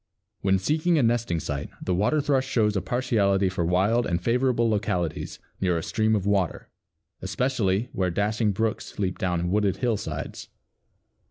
When seeking a nesting site the Water thrush shows a partiality for wild and favorable localities near a stream of water, especially "where dashing brooks leap down wooded hillsides."